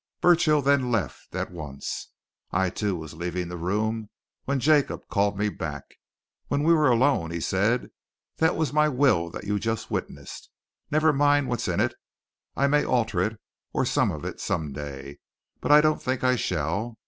Burchill then left at once. I, too, was leaving the room when Jacob called me back. When we were alone, he said: 'That was my will that you've just witnessed. Never mind what's in it I may alter it, or some of it, some day, but I don't think I shall.